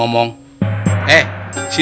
ya pak haji